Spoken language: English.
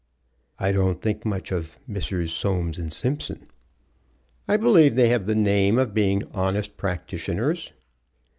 "I don't think much of Messrs. Soames & Simpson." "I believe they have the name of being honest practitioners."